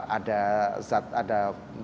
ada zat ada